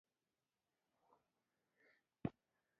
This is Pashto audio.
وګړي د ټولو افغانانو د معیشت یوه بنسټیزه او طبیعي سرچینه ده.